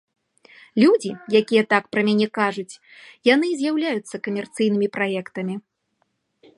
Людзі, якія так пра мяне кажуць, яны і з'яўляюцца камерцыйнымі праектамі.